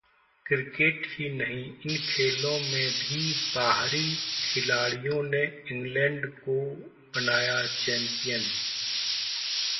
cricket ही नहीं इन खेलों में भी 'बाहरी' खिलाड़ियों ने इंग्लैंड को बनाया चैम्पियन